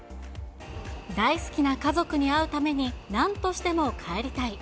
大好きな家族に会うために、なんとしても帰りたい。